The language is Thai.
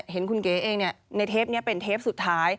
เห็นคุณเก๋เองในเทปนี้เป็นเทปสุดท้าย